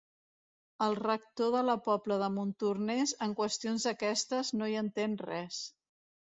El rector de la Pobla de Montornès en qüestions d'aquestes no hi entén res.